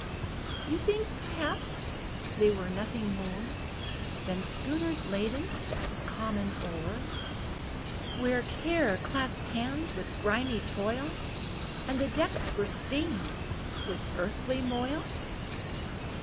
You think, perhaps, they were nothing more Than schooners laden with common ore ? Where Care clasped hands with grimy Toil, And the decks were stained with earthly moil